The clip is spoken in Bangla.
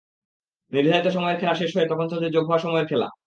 নির্ধারিত সময়ের খেলা শেষ হয়ে তখন চলছে যোগ হওয়া সময়ের খেলা।